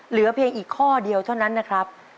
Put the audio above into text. เหลือเพียงอีกข้อเดียวเท่านั้นนะครับ